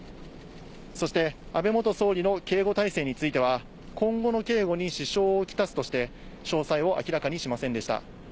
そして安倍元総理の警護体制については、今後の警護に支障を来すとして、詳細を明らかにしませんでした。